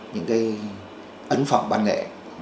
những cái ấn phẩm văn nghệ